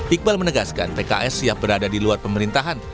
iqbal menegaskan pks siap berada di luar pemerintahan